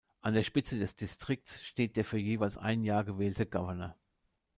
An der Spitze des Distrikts steht der für jeweils ein Jahr gewählte Governor.